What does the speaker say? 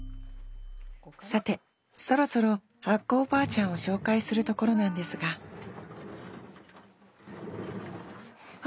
さてそろそろ発酵おばあちゃんを紹介するところなんですがうわ！